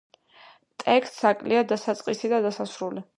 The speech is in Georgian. ტექსტს აკლია დასაწყისი და დასასრული.